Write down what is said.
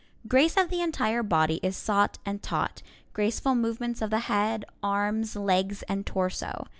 Grace of the entire body is sought and taught, graceful movements of the head, arms, legs and torso.